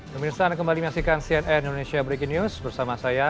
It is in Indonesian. pemirsa anda kembali menyaksikan cnn indonesia breaking news bersama saya